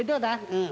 うん。